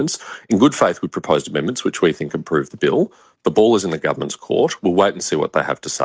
seharusnya mengesahkan rencana undang undang tersebut